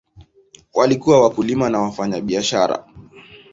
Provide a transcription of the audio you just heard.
Walikuwa wakulima na wafanyabiashara.